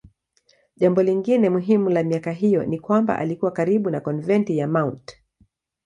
Jambo lingine muhimu la miaka hiyo ni kwamba alikuwa karibu na konventi ya Mt.